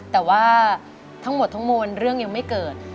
แต่ว่าทั้งหมดทั้งมวลเรื่องยังไม่เกิด